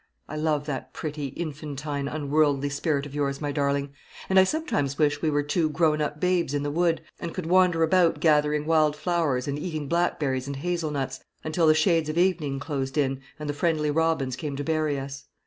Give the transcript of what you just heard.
I love that pretty, infantine, unworldly spirit of yours, my darling; and I sometimes wish we were two grown up babes in the wood, and could wander about gathering wild flowers, and eating blackberries and hazel nuts, until the shades of evening closed in, and the friendly robins came to bury us.